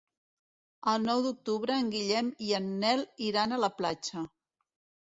El nou d'octubre en Guillem i en Nel iran a la platja.